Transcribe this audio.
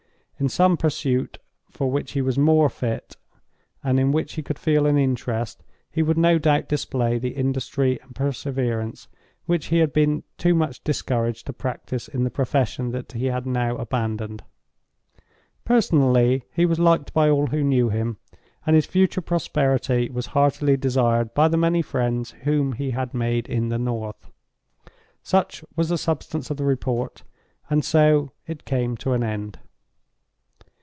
In some other pursuit, for which he was more fit, and in which he could feel an interest, he would no doubt display the industry and perseverance which he had been too much discouraged to practice in the profession that he had now abandoned. Personally, he was liked by all who knew him; and his future prosperity was heartily desired by the many friends whom he had made in the North. Such was the substance of the report, and so it came to an end.